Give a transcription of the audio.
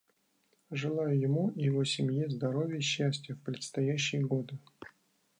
Желаю ему и его семье здоровья и счастья в предстоящие годы.